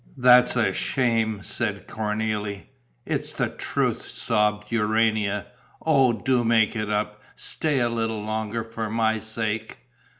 "That's a shame!" said Cornélie. "It's the truth!" sobbed Urania. "Oh, do make it up, stay a little longer, for my sake!..."